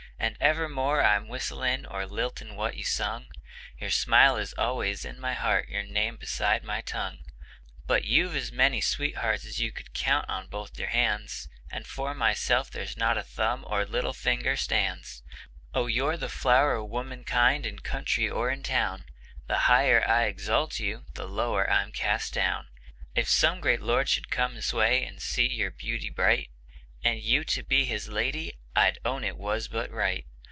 And evermore I'm whistling or lilting what you sung, Your smile is always in my heart, your name beside my tongue; But you've as many sweethearts as you'd count on both your hands, And for myself there's not a thumb or little finger stands. Oh, you're the flower o' womankind in country or in town; The higher I exalt you, the lower I'm cast down. If some great lord should come this way, and see your beauty bright, And you to be his lady, I'd own it was but right.